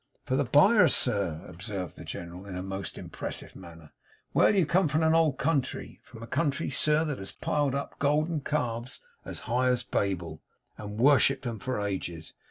'For the buyers, sir?' observed the General, in a most impressive manner. 'Well! you come from an old country; from a country, sir, that has piled up golden calves as high as Babel, and worshipped 'em for ages.